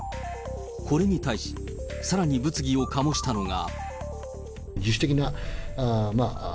これに対し、さらに物議を醸したのが。